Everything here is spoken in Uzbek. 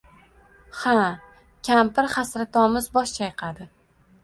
Ha… — Kampir hasratomuz bosh chayqadi.